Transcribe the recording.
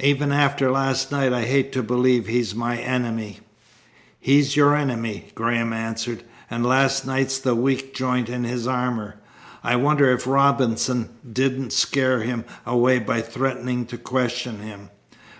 Even after last night I hate to believe he's my enemy." "He's your enemy," Graham answered, "and last night's the weak joint in his armour. I wonder if Robinson didn't scare him away by threatening to question him.